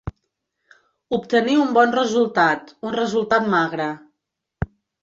Obtenir un bon resultat, un resultat magre.